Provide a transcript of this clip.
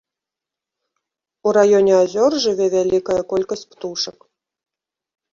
У раёне азёр жыве вялікая колькасць птушак.